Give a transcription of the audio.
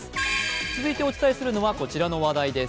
続いてお伝えするのはこちらの話題です。